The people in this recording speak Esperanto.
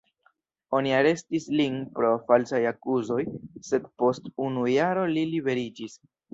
Oni arestis lin pro falsaj akuzoj, sed post unu jaro li liberiĝis.